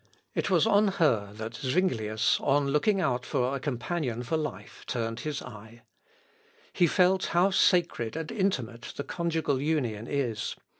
It was on her that Zuinglius, on looking out for a companion for life, turned his eye. He felt how sacred and intimate the conjugal union is.